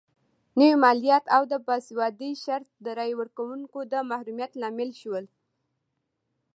نوي مالیات او د باسوادۍ شرط د رایې ورکونکو د محرومیت لامل شول.